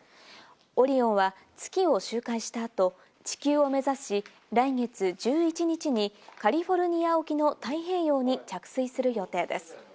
「オリオン」は月を周回したあと、地球を目指し、来月１１日にカリフォルニア沖の太平洋に着水する予定です。